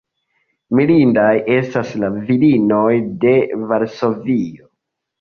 Mirindaj estas la virinoj de Varsovio.